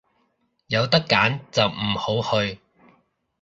有得揀就唔好去